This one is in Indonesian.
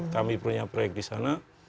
kami punya proyek di sana